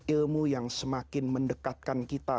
ilmu yang semakin mendekatkan kita